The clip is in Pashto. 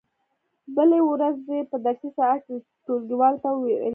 د بلې ورځې په درسي ساعت کې دې ټولګیوالو ته وویل شي.